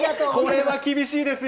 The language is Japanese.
これは厳しいですよ。